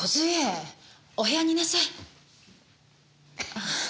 ああ。